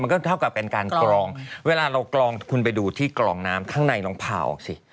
ก็เท่ากับเป็นการกรองเวลาเรากรองคุณไปดูที่กรองน้ำข้างในลองผ่าออกสิ